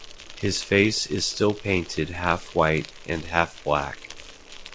His face is still painted half white and half black.